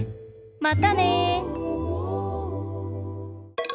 またね！